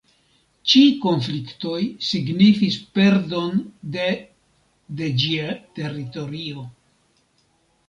Ĉi konfliktoj signifis perdon de de ĝia teritorio.